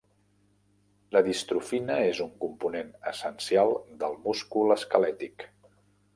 La distrofina és un component essencial del múscul esquelètic.